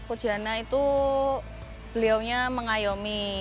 coach yana itu beliaunya mengayomi